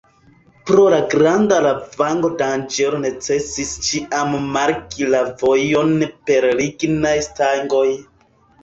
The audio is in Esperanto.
Pro la granda lavango-danĝero necesis ĉiam marki la vojon per lignaj stangoj.